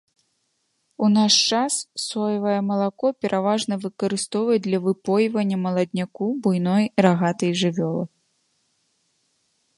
У наш час соевае малако пераважна выкарыстоўваюць для выпойвання маладняку буйной рагатай жывёлы.